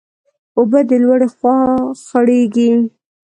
اوبه د لوړي خوا خړېږي.